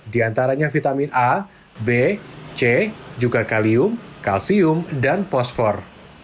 di antaranya vitamin a b c juga kalium kalsium dan fosfor